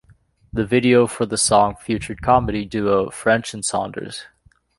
The video for the song featured comedy duo French and Saunders.